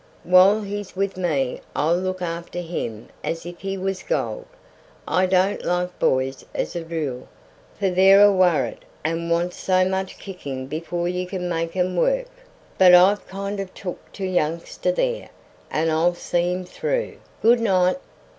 While he's with me I'll look after him as if he was gold. I don't like boys as a rule, for they're a worrit and wants so much kicking before you can make 'em work, but I've kind of took to youngster there, and I'll see him through. Good night."